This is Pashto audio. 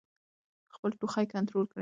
خپل ټوخی کنټرول کړئ.